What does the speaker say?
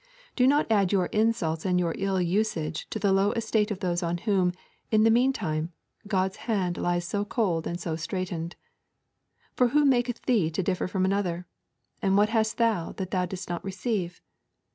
Do not add your insults and your ill usage to the low estate of those on whom, in the meantime, God's hand lies so cold and so straitened. For who maketh thee to differ from another? and what hast thou that thou didst not receive?